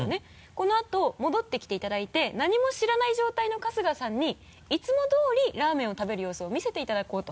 このあと戻ってきていただいて何も知らない状態の春日さんにいつも通りラーメンを食べる様子を見せていただこうと。